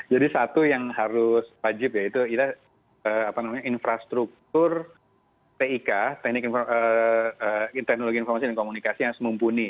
jadi satu yang harus wajib ya itu infrastruktur pik teknologi informasi dan komunikasi yang semumpuni